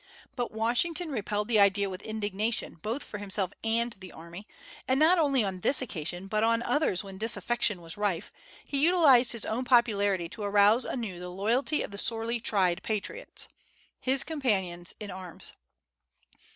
But Washington repelled the idea with indignation, both for himself and the army; and not only on this occasion but on others when disaffection was rife, he utilized his own popularity to arouse anew the loyalty of the sorely tried patriots, his companions in arms.